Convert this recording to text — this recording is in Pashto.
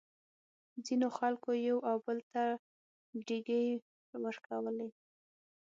ځینو خلکو یو او بل ته ډیکې ورکولې.